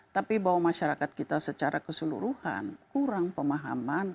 tapi bahwa masyarakat kita secara keseluruhan kurang pemahaman